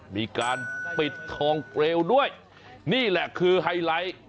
มีการปิดทองเปลวด้วยนี่แหละคือไฮไลท์